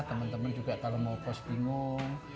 teman teman juga kalau mau pos bingung